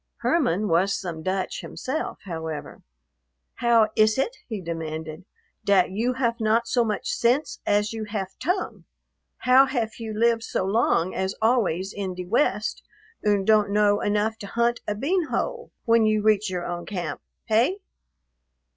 Herman was some Dutch himself, however. "How iss it," he demanded, "dat you haf not so much sense as you haf tongue? How haf you lived so long as always in de West und don't know enough to hunt a bean hole when you reach your own camp. Hey?"